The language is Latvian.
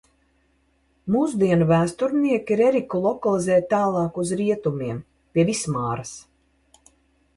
Mūsdienu vēsturnieki Reriku lokalizē tālāk uz rietumiem, pie Vismāras.